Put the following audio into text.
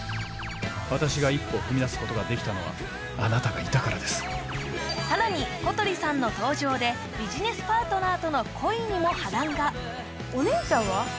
私が一歩踏み出すことができたのはあなたがいたからですさらに小鳥さんの登場でビジネスパートナーとの恋にも波乱がお姉ちゃんは？